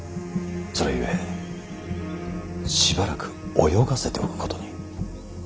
それゆえしばらく泳がせておくことに。